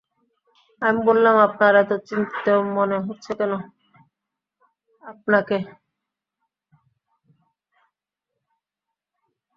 আমি বললাম, আপনাকে এত চিন্তিত মনে হচ্ছে কেন?